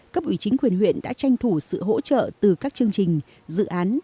cấp ủy chính quyền huyện đã tranh thủ sự hỗ trợ từ các chương trình dự án